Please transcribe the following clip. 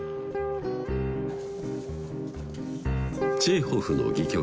チェーホフの戯曲